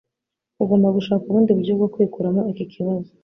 Ugomba gushaka ubundi buryo bwo kwikuramo iki kibazo